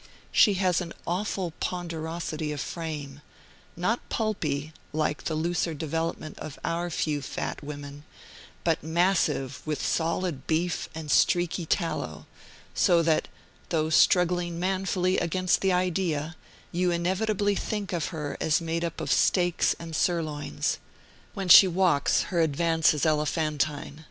She has an awful ponderosity of frame, not pulpy, like the looser development of our few fat women, but massive with solid beef and streaky tallow; so that (though struggling manfully against the idea) you inevitably think of her as made up of steaks and sirloins. When she walks, her advance is elephantine.